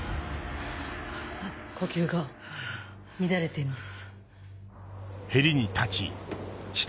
呼吸が乱れています。